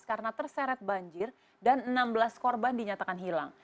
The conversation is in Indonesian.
karena terseret banjir dan enam belas korban dinyatakan hilang